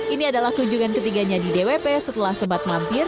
ini adalah kunjungan ketiganya di dwp setelah sempat mampir